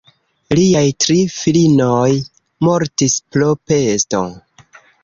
Liaj tri filinoj mortis pro pesto.